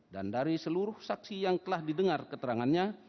dan dari seluruh saksi yang telah didengar keterangannya